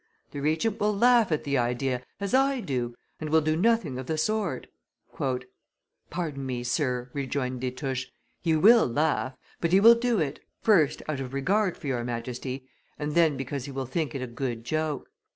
The Regent will laugh at the idea, as I do, and will do nothing of the sort." "Pardon me, sir," rejoined Destouches, "he will laugh, but he will do it, first out of regard for your Majesty, and then because he will think it a good joke.